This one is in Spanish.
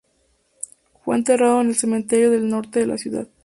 Fue enterrado en el cementerio del Norte de la ciudad.